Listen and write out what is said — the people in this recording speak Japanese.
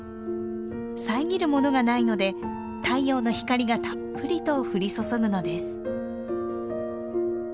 遮るものがないので太陽の光がたっぷりと降り注ぐのです。